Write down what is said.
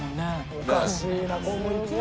おかしいな。